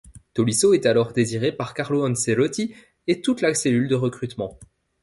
Tolisso est alors désiré par Carlo Ancelotti et toute la cellule de recrutement.